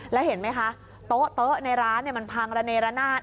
แล้วเห็นไหมคะโต๊ะในร้านมันพังระเนรนาศ